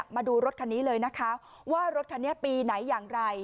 มาดูรถคันนี้เลยนะคะว่ารถคันนี้ปีไหนอย่างไร